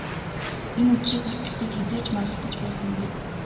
Энэ үдшийг болтол тэд хэзээ ч маргалдаж байсангүй.